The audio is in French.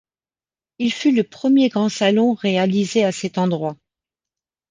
Il fut le premier grand salon réalisé à cet endroit.